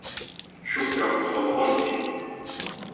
Cukkeɣ sɣelḍen-k.